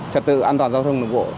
trật tự an toàn giao thông nước vụ